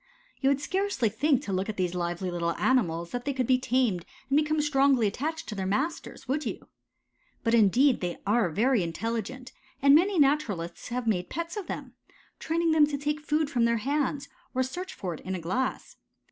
You would scarcely think to look at these lively little animals that they could be tamed and become strongly attached to their masters, would you? But indeed they are very intelligent and many naturalists have made pets of them, training them to take food from their hands or search for it in a glass.